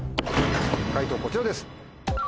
解答こちらです。